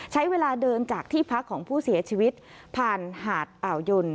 ใช้เวลาเดินจากที่พักของผู้เสียชีวิตผ่านหาดอ่าวยน